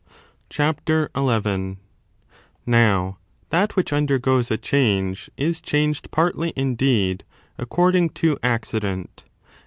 CHAPTER XI. Now, that which undergoes a change is changed partly, indeed, according to accident, ^whii^ma?